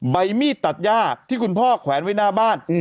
ใบมีดตัดย่าที่คุณพ่อแขวนไว้หน้าบ้าน